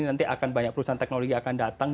nanti akan banyak perusahaan teknologi akan datang